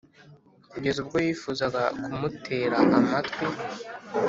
kugeza ubwo yifuzaga kumutera amatwi.